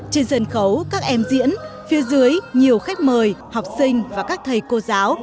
trên sân khấu các em diễn phía dưới nhiều khách mời học sinh và các thầy cô giáo